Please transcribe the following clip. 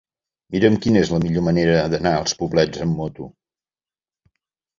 Mira'm quina és la millor manera d'anar als Poblets amb moto.